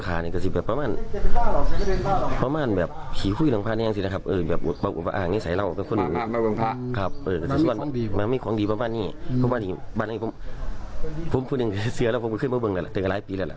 อันนี้ผมมาแล้วครับเพราะเรามองว่าเขาระเมืองภรรยาทำไมและคุณจะมาใช่ไหม